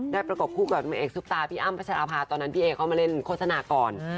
ได้ประกอบคู่กับอุ๋มเอกซุฟตาพี่อ้ำประชาภาตอนนั้นพี่เอ๋เขามาเล่นโฆษณาก่อน